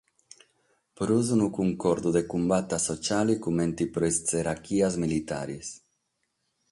Prus unu cuncordu de cumbata sotziale comente pro sas tzerachias militares.